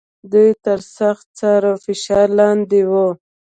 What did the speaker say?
دوی تر سخت څار او فشار لاندې و.